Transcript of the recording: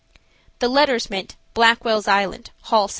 The letters meant Blackwell's Island, Hall 6.